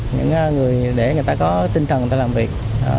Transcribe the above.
những người để người ta có tinh thần để làm việc